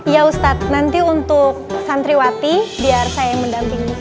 ya ustadz nanti untuk santriwati biar saya yang mendampingi